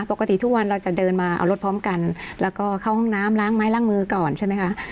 ปกติทุกวันเราจะเดินมาเอารถพร้อมกันแล้วก็เข้าห้องน้ำล้างไม้ล้างมือก่อนใช่ไหมคะ